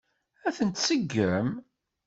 Ad ten-tseggem?